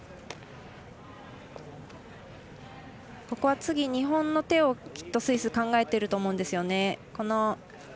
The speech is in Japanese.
ここは次、日本の手をスイス、考えていると思うんですよね。